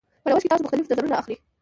په نوښت کې تاسو مختلف نظرونه راخلئ.